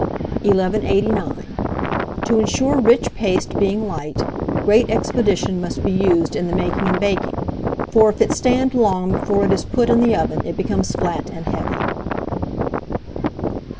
1189. To insure rich paste being light, great expedition must be used in the making and baking; for if it stand long before it is put in the oven, it becomes flat and heavy.